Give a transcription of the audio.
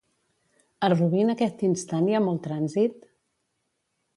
A Rubí en aquest instant hi ha molt trànsit?